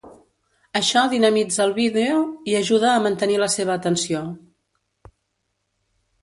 Això dinamitza el vídeo i ajuda a mantenir la seva atenció.